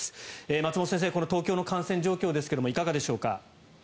松本先生この東京の感染状況ですがいかがでしょうか？